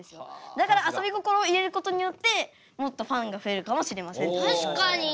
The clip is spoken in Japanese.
だからあそび心を入れることによってもっとファンが増えるかもしれません。